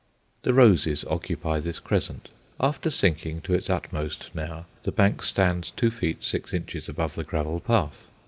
The roses occupy this crescent. After sinking to its utmost now, the bank stands two feet six inches above the gravel path.